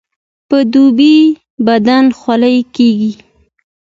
په دوبي بدن خولې کیږي